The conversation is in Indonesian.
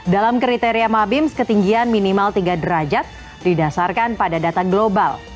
dalam kriteria mabims ketinggian minimal tiga derajat didasarkan pada data global